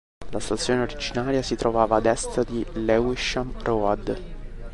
La stazione originaria si trovava ad est di Lewisham Road.